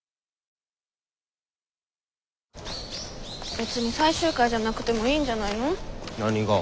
別に最終回じゃなくてもいいんじゃないの？何が？